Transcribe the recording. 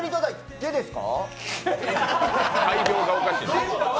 何ですか？